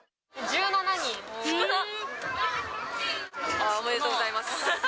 あー、おめでとうございます。